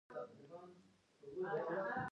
پایلې د نظریې ادعاوې تاییدوي.